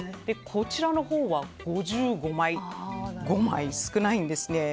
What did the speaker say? こちらのほうは５５枚で５枚少ないんです。